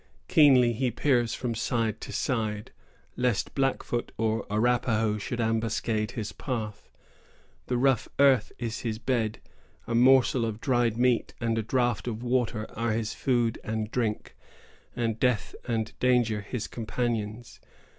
Keenly he peers from side to side, lest Blackfoot or Arapahoe should ambuscade his path. The rough earth is his bed, a morsel of dried meat and a draught of water are his food and drink, and death and danger his companions.